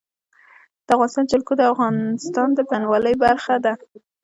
د افغانستان جلکو د افغانستان د بڼوالۍ برخه ده.